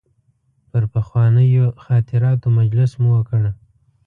پر پخوانیو خاطراتو مجلس مو وکړ.